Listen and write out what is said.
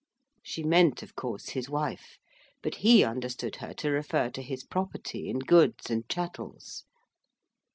She meant, of course, his wife; but he understood her to refer to his property in goods and chattels.